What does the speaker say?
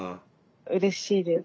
うれしいです。